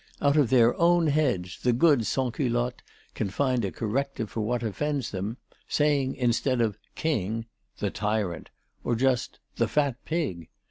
Out of their own heads, the good sansculottes can find a corrective for what offends them, saying, instead of 'king' 'The Tyrant!' or just 'The fat pig!'